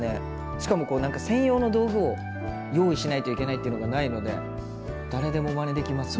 しかも何か専用の道具を用意しないといけないっていうのがないので誰でもまねできますね。